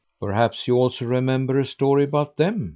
"Perhaps you also remember a story about them?"